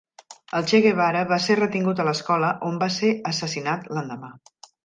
El Che Guevara va ser retingut a l'escola, on va ser assassinat l'endemà.